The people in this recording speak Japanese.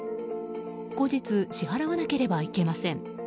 後日支払わなければいけません。